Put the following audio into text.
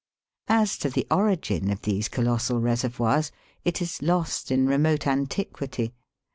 As to the origin of these colossal reservoirs it is lost in remote antiquity.